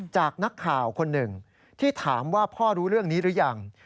จากนักข่าวคนหนึ่งที่ถามว่าพ่อรู้เรื่องนี้หรือยัง